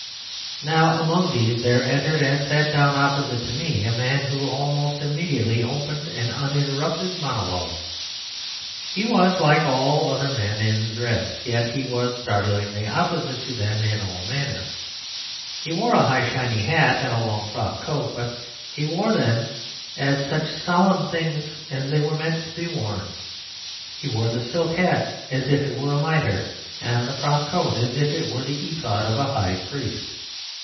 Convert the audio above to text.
Now, among these there entered and sat down opposite to me a man who almost immediately opened an uninterrupted monologue. He was like all the other men in dress, yet he was startlingly opposite to them in all manner. He wore a high shiny hat and a long frock coat, but he wore them as such solemn things were meant to be worn; he wore the silk hat as if it were a mitre, and the frock coat as if it were the ephod of a high priest.